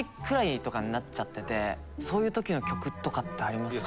そういう時の曲とかってありますか？